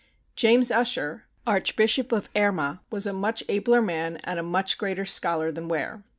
James Ussher, Archbishop of Armagh, was a much abler man and a much greater scholar than Ware.